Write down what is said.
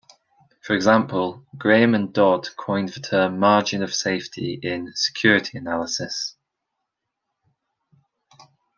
For example, Graham and Dodd coined the term margin of safety in "Security Analysis".